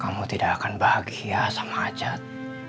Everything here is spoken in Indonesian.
kamu tidak akan bahagia semajat